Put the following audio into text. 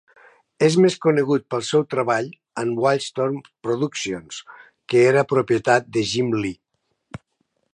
És més conegut pel seu treball en Wildstorm Productions, que era propietat de Jim Lee.